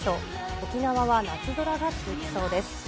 沖縄は夏空が続きそうです。